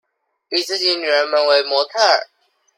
以自己女兒們為模特兒